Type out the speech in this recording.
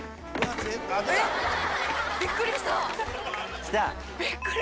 えっ⁉びっくりした。